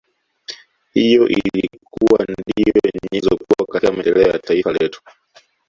Hiyo ilikuwa ndiyo nyenzo kubwa katika maendeleo ya Taifa letu